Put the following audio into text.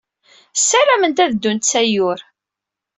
Ssarament ad ddunt s Ayyur.